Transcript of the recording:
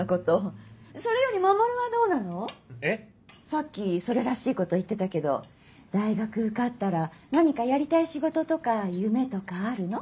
さっきそれらしいこと言ってたけど大学受かったら何かやりたい仕事とか夢とかあるの？